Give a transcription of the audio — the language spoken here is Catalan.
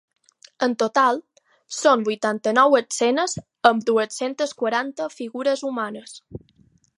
En total, són vuitanta-nou escenes amb dues-centes quaranta figures humanes.